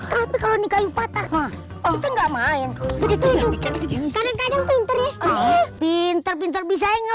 kenapa malah mikirin kayunya